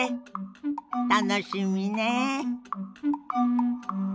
楽しみねえ。